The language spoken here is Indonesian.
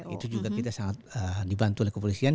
itu juga kita sangat dibantu oleh kepolisian